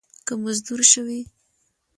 که مزدور شوې